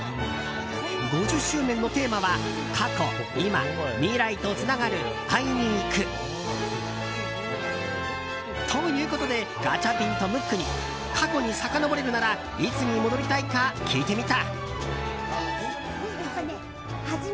５０周年のテーマは「過去、いま未来と繋がる、会いに行く」。ということでガチャピンとムックに過去にさかのぼれるならいつに戻りたいか聞いてみた。